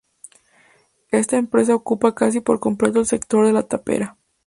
Esta empresa ocupa casi por completo el sector de La Tapera.